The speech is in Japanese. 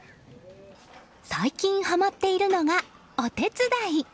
最近はまっているのが、お手伝い。